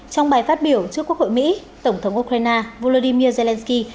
trong bài phát biểu trước quốc hội mỹ tổng thống ukraine volodymyr zelensky